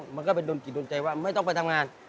มันก็ไปโดนจิตโดนใจว่าไม่ต้องไปทำงาน